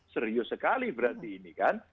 serius sekali berarti ini kan